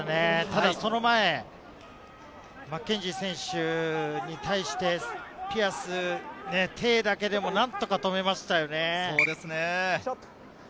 ただその前、マッケンジー選手に対して、手だけで何とか止めましたね。